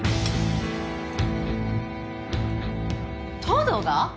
東堂が！？